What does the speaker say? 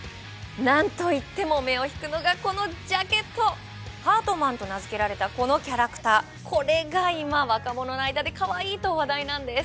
なんといっても目を引くのがこのジャケットＨＥＡＲＴＭＡＮと名付けられたこのキャラクターこれが今若者の間でかわいいと話題なんです